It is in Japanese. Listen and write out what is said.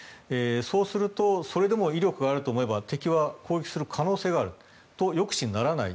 そうするとそれでも威力があると思えば敵は攻撃する可能性があると抑止にならない。